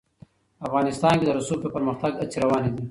افغانستان کې د رسوب د پرمختګ هڅې روانې دي.